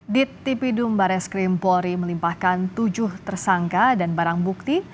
di tipidum bares krim polri melimpahkan tujuh tersangka dan barang bukti